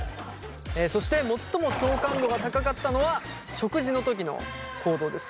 そして最も共感度が高かったのは食事のときの行動です。